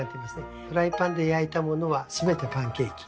フライパンで焼いたものは全てパンケーキ。